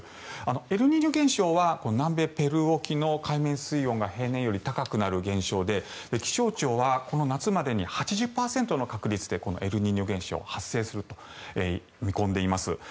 エルニーニョ現象は南米ペルー沖の海面水温が平年より高くなる現象で気象庁はこの夏までに８０％の確率でこのエルニーニョ現象が発生すると見込んでいます。